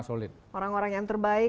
orang orang yang terbaik